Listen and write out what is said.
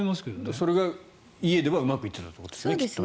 それが家ではうまくいっていたってことでしょうね。